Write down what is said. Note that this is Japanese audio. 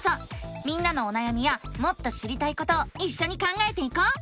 みんなのおなやみやもっと知りたいことをいっしょに考えていこう！